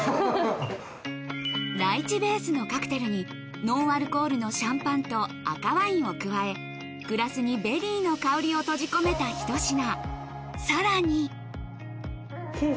ライチベースのカクテルにノンアルコールのシャンパンと赤ワインを加えグラスにベリーの香りを閉じ込めたひと品さらにうわ！